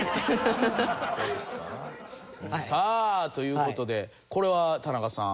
さあという事でこれは田中さん。